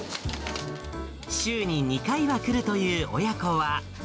週に２回は来るという親子は。